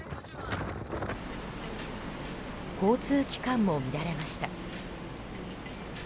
交通機関も乱れました。